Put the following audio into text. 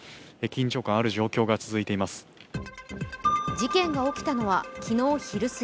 緊張感ある状況が続いています。